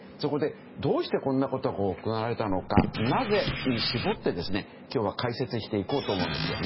どうしてこんなことが行われたのかなぜに絞って今日は解説していこうと思います。